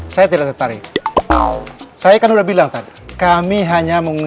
saya tidak tertarik saya kan udah bilang tadi kami hanya